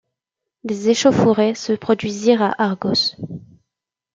Des échauffourées se produisirent à Argos.